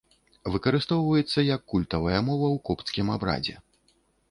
Выкарыстоўваецца як культавая мова ў копцкім абрадзе.